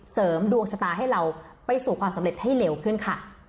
เสริมดวงชะตาให้เราไปสู่ความสำเร็จให้เร็วขึ้นค่ะ